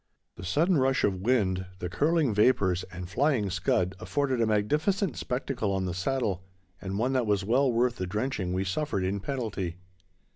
The sudden rush of wind, the curling vapors, and flying scud afforded a magnificent spectacle on the Saddle, and one that was well worth the drenching we suffered in penalty.